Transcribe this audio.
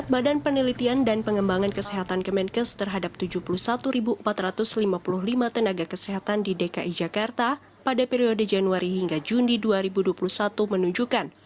badan penelitian dan pengembangan kesehatan kemenkes terhadap tujuh puluh satu empat ratus lima puluh lima tenaga kesehatan di dki jakarta pada periode januari hingga juni dua ribu dua puluh satu menunjukkan